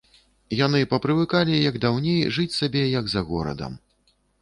Яны папрывыкалі, як даўней, жыць сабе, як за горадам.